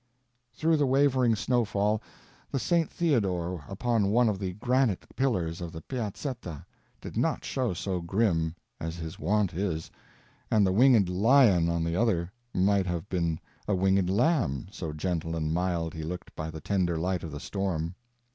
_ Through the wavering snowfall, the Saint Theodore upon one of the granite pillars of the Piazzetta did not show so grim as his wont is, and the winged lion on the other might have been a winged lamb, so gentle and mild he looked by the tender light of the storm.